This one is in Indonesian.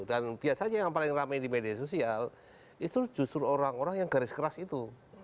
dan biasanya yang paling ramai di media sosial itu justru orang orang yang garis keras itu